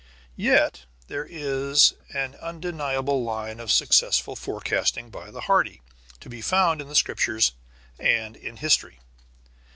Yet there is an undeniable line of successful forecasting by the hardy, to be found in the Scripture and in history.